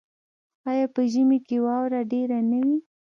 آیا په ژمي کې واوره ډیره نه وي؟